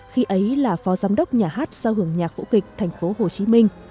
khi ấy là phó giám đốc nhà hát sao hưởng nhạc vũ kịch thành phố hồ chí minh